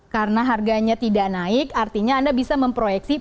karena harganya tidak naik artinya anda bisa memproyeksi